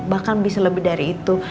bahkan bisa lebih dari itu